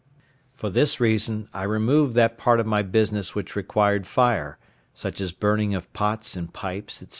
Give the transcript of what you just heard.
For this reason, I removed that part of my business which required fire, such as burning of pots and pipes, &c.